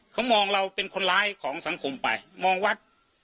เขามองเราเป็นคนร้ายของสังคมไปมองวัด